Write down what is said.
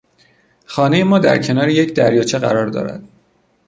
خانهی ما در کنار یک دریاچه قرار دارد.